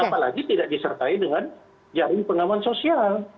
apalagi tidak disertai dengan jaring pengaman sosial